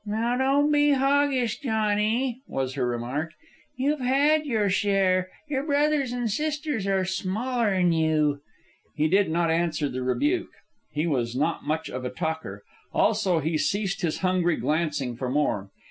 "Now, don't be hoggish, Johnny," was her comment. "You've had your share. Your brothers an' sisters are smaller'n you." He did not answer the rebuke. He was not much of a talker. Also, he ceased his hungry glancing for more.